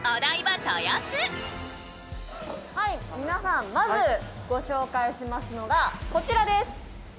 皆さん、まずご紹介しますのが、こちらです。